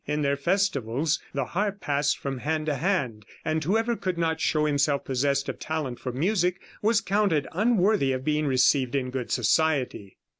In their festivals the harp passed from hand to hand, and whoever could not show himself possessed of talent for music, was counted unworthy of being received in good society.